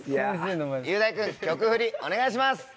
雄大君曲フリお願いします！